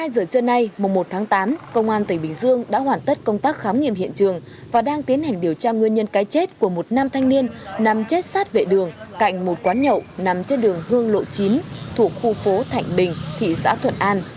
một mươi giờ trưa nay một tháng tám công an tỉnh bình dương đã hoàn tất công tác khám nghiệm hiện trường và đang tiến hành điều tra nguyên nhân cái chết của một nam thanh niên nằm chết sát vệ đường cạnh một quán nhậu nằm trên đường hương lộ chín thuộc khu phố thạnh bình thị xã thuận an